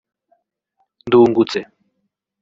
Ndungutse